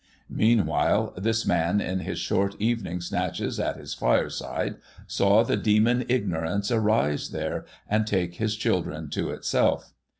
Meanwhile, this man, in his short evening snatches at his fireside, saw the demon Ignorance arise there, and take his children to itself.